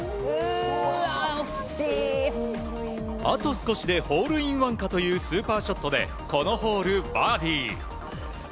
あと少しでホールインワンかというスーパーショットでこのホール、バーディー。